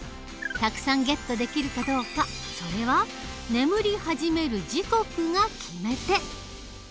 たくさんゲットできるかどうかそれは眠り始める時刻が決め手。